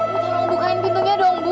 ibu tolong bukain pintunya dong ibu